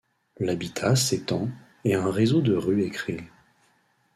L'habitat s'étend et un réseau de rues est créé.